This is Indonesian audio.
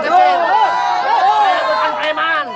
saya bukan preman